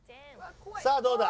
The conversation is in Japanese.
さあどうだ？